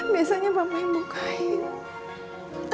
biasanya mama yang buka pintu